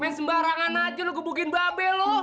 main sembarangan aja lo kubukin babe lo